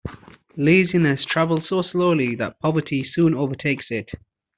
Laziness travels so slowly that poverty soon overtakes it.